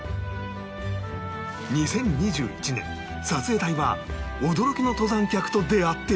２０２１年撮影隊は驚きの登山客と出会っていた